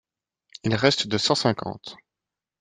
Il reste de cent cinquante.